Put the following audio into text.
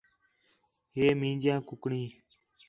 ہے مینجیاں کُکڑیں